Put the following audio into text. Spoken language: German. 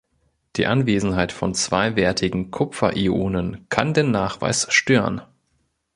Die Anwesenheit von zweiwertigen Kupfer-Ionen kann den Nachweis stören.